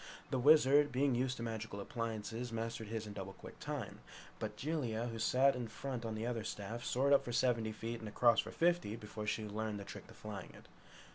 The Wizard, being used to magic appliances, mastered his in double quick time. But Jellia, who sat in front on the other staff soared up for seventy feet and across for fifty before she learned the trick of flying it.